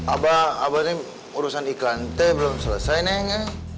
abah abah ini urusan iklan t belum selesai neng